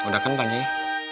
rek udah kan tanya ya